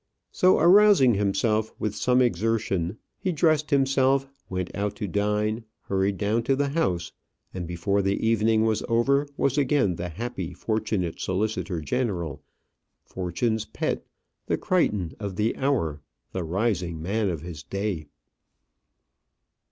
So arousing himself with some exertion, he dressed himself, went out to dine, hurried down to the House, and before the evening was over was again the happy, fortunate solicitor general, fortune's pet, the Crichton of the hour, the rising man of his day.